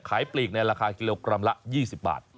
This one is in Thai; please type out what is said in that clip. ปลีกในราคากิโลกรัมละ๒๐บาท